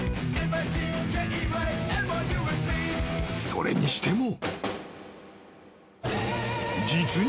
［それにしても］